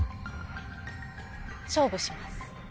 勝負します。